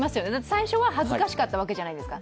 最初は恥ずかしかったわけじゃないですか。